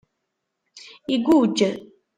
Iguǧǧ.